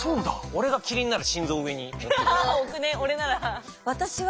俺がキリンなら心臓上に持ってくる。